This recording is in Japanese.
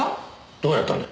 どうやったんだ？